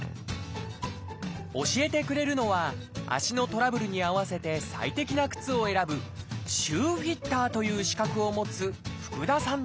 教えてくれるのは足のトラブルに合わせて最適な靴を選ぶ「シューフィッター」という資格を持つ福田さん！